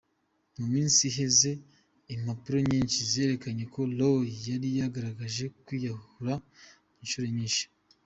mu misi iheze, impapuro nyinshi zarerekanye ko Roy yari yaragerageje kwiyahura incuro nyinshi.